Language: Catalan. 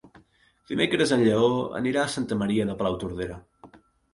Dimecres en Lleó irà a Santa Maria de Palautordera.